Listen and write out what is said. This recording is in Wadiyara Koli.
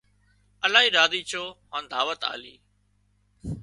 الاهي راضي ڇو هان دعوت آلي